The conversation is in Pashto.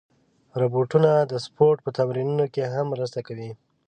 روبوټونه د سپورت په تمرینونو کې هم مرسته کوي.